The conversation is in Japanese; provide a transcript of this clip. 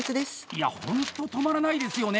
いや、ほんと止まらないですよね。